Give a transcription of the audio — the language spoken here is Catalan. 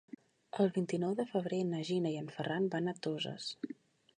El vint-i-nou de febrer na Gina i en Ferran van a Toses.